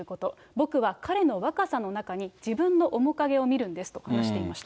僕は彼の若さの中に、自分の面影を見るんですと話していました。